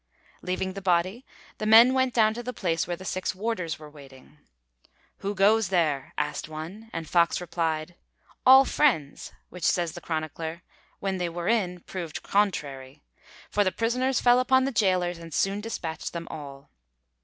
Leaving the body, the men went down to the place where the six warders were waiting. 'Who goes there?' asked one, and Fox replied: 'All friends,' which, says the chronicler, 'when they were in, proved contrary,' for the prisoners fell upon the gaolers and soon dispatched them all.